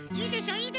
いいでしょ？